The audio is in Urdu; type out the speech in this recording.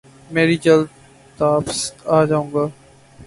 میں جلدی داپس آجاؤنگا ۔